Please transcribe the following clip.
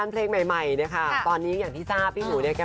การเดินทางปลอดภัยทุกครั้งในฝั่งสิทธิ์ที่หนูนะคะ